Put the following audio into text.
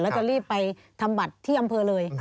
แล้วจะรีบไปทำบัตรที่อำเภอเลย